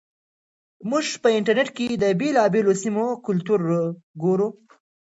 موږ په انټرنیټ کې د بېلابېلو سیمو کلتور ګورو.